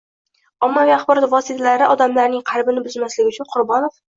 Ommaviy axborot vositalari odamlarning qalbini buzmasligi uchun Qurbonov